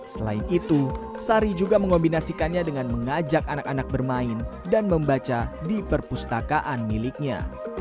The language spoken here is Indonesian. selain itu sari juga mengombinasikannya dengan mengajak anak anak bermain dan membaca di perpustakaan miliknya